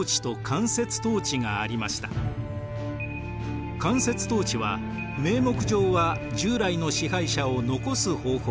間接統治は名目上は従来の支配者を残す方法です。